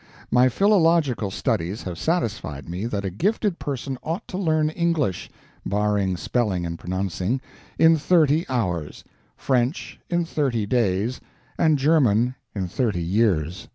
My philological studies have satisfied me that a gifted person ought to learn English (barring spelling and pronouncing) in thirty hours, French in thirty days, and German in thirty years.